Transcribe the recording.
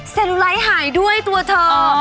เซลูไลท์หายด้วยตัวเธอ